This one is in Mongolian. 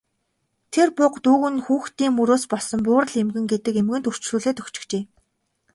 Тэр буга дүүг нь хүүхдийн мөрөөс болсон Буурал мэргэн гэдэг эмгэнд үрчлүүлээд өгчихжээ.